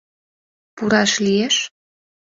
Пураш лиеш?